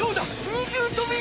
二重とび！